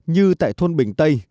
như tại thôn bình tây